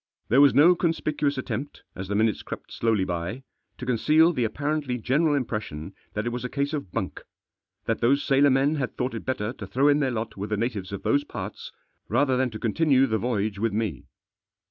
There was no conspicuous attempt, as the minutes crept slowly by, to conceal the apparently general impression that it was a case of bunk; that those sailor men had thought it better to throw in their lot with the natives of those parts, rather than to continue the voyage with me.